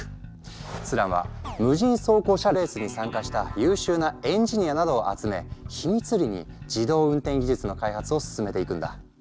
スランは無人走行車レースに参加した優秀なエンジニアなどを集め秘密裏に自動運転技術の開発を進めていくんだ。